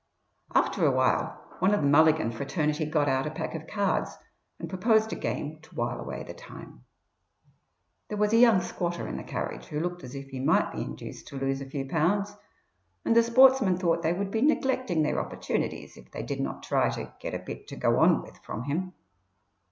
After a while one of the Mulligan fraternity got out a pack of cards and proposed a game to while away the time. There was a young squatter in the carriage who looked as if he might be induced to lose a few pounds, and the sportsmen thought they would be neglecting their opportunities if they did not try to "get a bit to go on with" from him.